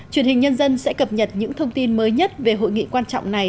truyền hình nhân dân sẽ cập nhật những thông tin mới nhất về hội nghị quan trọng này